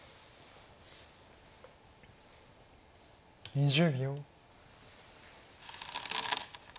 ２０秒。